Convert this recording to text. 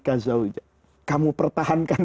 kazaul kamu pertahankan